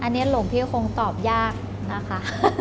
อันนี้หลวงพี่ก็คงตอบยากนะคะ